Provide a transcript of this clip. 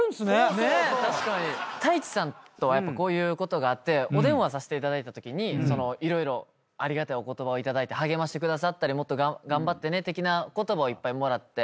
太一さんはこういうことがあってお電話させていただいたときに色々ありがたいお言葉を頂いて励ましてくださったりもっと頑張ってね的な言葉をいっぱいもらって。